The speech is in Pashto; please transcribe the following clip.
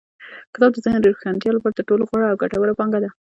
کتاب د ذهن د روښانتیا لپاره تر ټولو غوره او ګټوره پانګه ده.